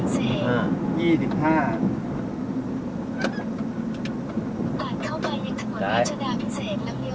สายสายตัวสี่มา